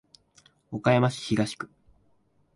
岡山市東区